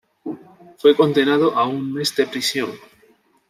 Fue condenado a un mes de prisión.